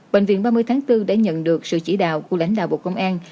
bệnh viện ba mươi tháng bốn đã nhận được sự chỉ đạo của lãnh đạo bộ công an